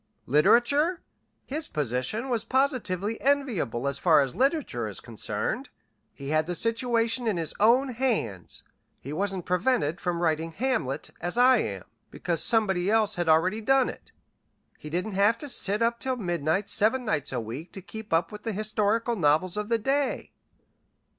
Literature? His position was positively enviable as far as literature is concerned. He had the situation in his own hands. He wasn't prevented from writing 'Hamlet,' as I am, because somebody else had already done it. He didn't have to sit up till midnight seven nights a week to keep up with the historical novels of the day.